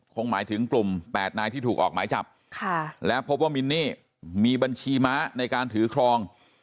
คงหมายถึงกลุ่ม๘นายที่ถูกออกหมายจับและพบว่ามินนี่มีบัญชีม้าในการถือครอง